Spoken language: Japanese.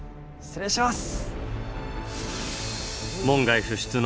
失礼します。